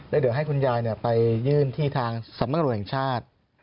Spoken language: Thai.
แล้วเดี๋ยวให้คุณยายไปยื่นที่ทางสำรวจแห่งชาติ